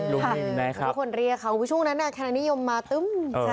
ทุกคนเรียกเขาช่วงนั้นคณะนิยมมาตึ้ม